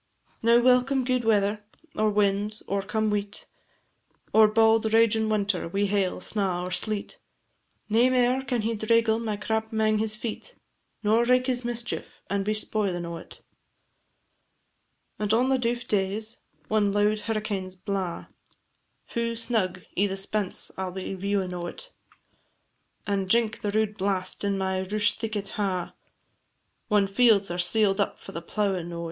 Now welcome gude weather, or wind, or come weet, Or bauld ragin' winter, wi' hail, snaw, or sleet, Nae mair can he draigle my crap 'mang his feet, Nor wraik his mischief, and be spoilin' o't. And on the douf days, whan loud hurricanes blaw, Fu' snug i' the spence I 'll be viewin' o't, And jink the rude blast in my rush theekit ha', Whan fields are seal'd up from the plowin' o't.